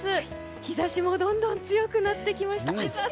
日差しもどんどん強くなってきました。